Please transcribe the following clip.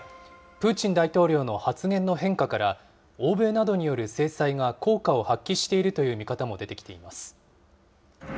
プーチン大統領の発言の変化から、欧米などによる制裁が効果を発揮しているという見方も出てきています。